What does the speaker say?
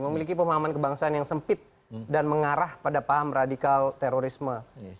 memiliki pemahaman kebangsaan yang sempit dan mengarah pada paham radikal terorisme